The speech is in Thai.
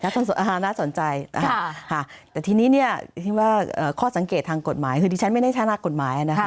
ตอนนี้ข้อสังเกตทางกฎหมายคือที่ฉันไม่ได้ชนะกฎหมาย